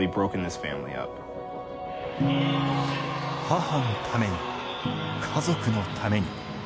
母のために、家族のために。